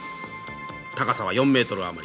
高さは４メートル余り。